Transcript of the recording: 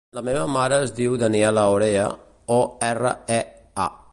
La meva mare es diu Daniella Orea: o, erra, e, a.